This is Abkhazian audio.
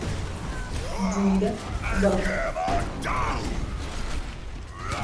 Диида, хәба!